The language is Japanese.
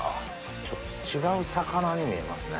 ちょっと違う魚に見えますね。